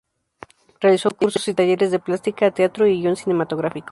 Realizó cursos y talleres de plástica, teatro y guion cinematográfico.